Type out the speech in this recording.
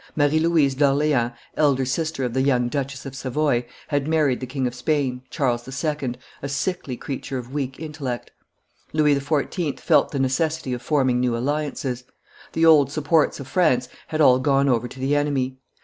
Marie Louise d'Orleans, elder sister of the young Duchess of Savoy, had married the King of Spain, Charles II., a sickly creature of weak intellect. Louis XIV. felt the necessity of forming new alliances; the old supports of France had all gone over to the enemy.